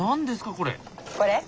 これ？